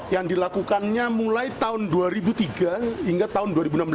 yang dilakukannya mulai tahun dua ribu tiga hingga tahun dua ribu enam belas